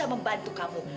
aku bisa membantu kamu